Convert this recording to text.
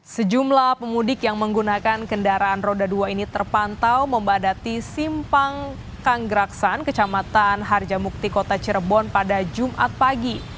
sejumlah pemudik yang menggunakan kendaraan roda dua ini terpantau membadati simpang kanggraksan kecamatan harjamukti kota cirebon pada jumat pagi